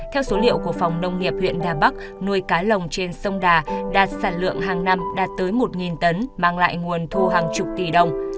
theo số liệu của phòng nông nghiệp huyện đà bắc nuôi cá lồng trên sông đà đạt sản lượng hàng năm đạt tới một tấn mang lại nguồn thu hàng chục tỷ đồng